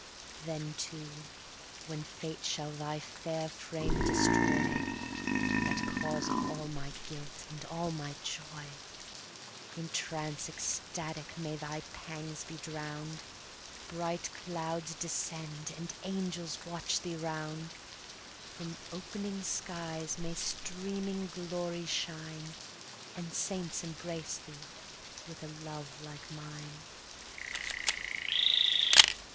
Then too, when fate shall thy fair frame destroy, (That cause of all my guilt, and all my joy!) In trance ecstatic may thy pangs be drown'd, Bright clouds descend, and angels watch thee round, 340 From opening skies may streaming glories shine, And saints embrace thee with a love like mine.